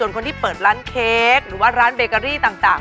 ส่วนคนที่เปิดร้านเค้กหรือว่าร้านเบเกอรี่ต่าง